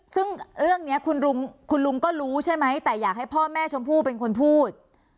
ซึ่งเรื่องนี้คุณลุงก็รู้ใช่ไหมแต่อยากให้พ่อแม่ชมพู่เป็นคนพูด